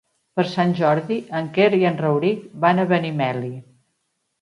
Per Sant Jordi en Quer i en Rauric van a Benimeli.